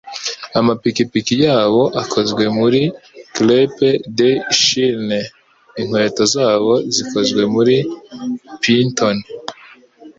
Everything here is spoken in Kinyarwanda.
Amapikipiki yabo akozwe muri crepe-de-chine, inkweto zabo zikozwe muri python,